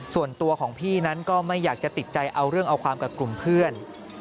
ส่วนตัวของพี่นั้นก็ไม่อยากจะติดใจเอาเรื่องเอาความกับกลุ่มเพื่อน